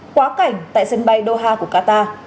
quá cảnh tại sân bay doha của qatar